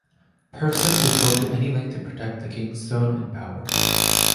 Persson would go to any length to protect the King's throne and power.